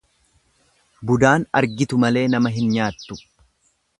Budaan argitu malee nama hin nyaattu.